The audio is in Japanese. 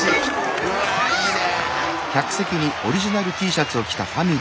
うわいいね！